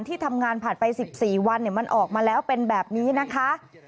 ที่ทำงานผ่านไป๑๔วันมันออกมาแล้วเป็นแบบนี้นะคะ